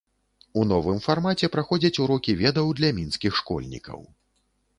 У новым фармаце праходзяць урокі ведаў для мінскіх школьнікаў.